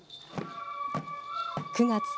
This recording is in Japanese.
９月。